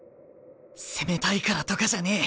攻めたいからとかじゃねえ。